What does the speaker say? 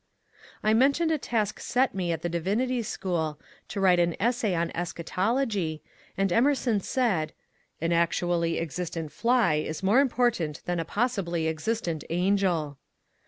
I mentioned a task set me at the Divinity School, to write an essay on Eschatology, and Emerson said, ^^ An actually existent fly is more important than a possibly existent angel."